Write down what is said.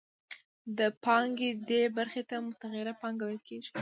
د پانګې دې برخې ته متغیره پانګه ویل کېږي